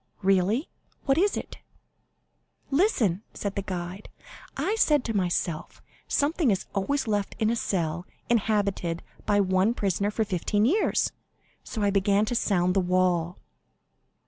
"Really? What is it?" "Listen," said the guide; "I said to myself, 'Something is always left in a cell inhabited by one prisoner for fifteen years,' so I began to sound the wall."